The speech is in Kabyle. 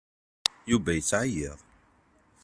Yuba yettɛeyyiḍ.